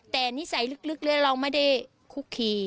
แต่นิสัยลึกเลยเราไม่ได้คุกคี